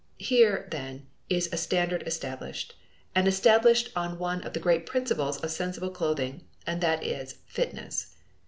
Here, then, is a standard established, and established on one of the great principles of sensible clothing, and that is fitness.